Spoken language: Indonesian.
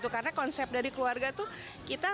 karena konsep dari keluarga tuh kita